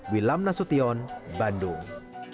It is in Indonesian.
wilam nasution bandung